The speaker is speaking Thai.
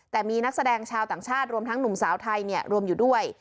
แต่มีนักแสดงชาวต่างชาติรวมทั้งหนุ่มสาวไทยรวมอยู่ด้วย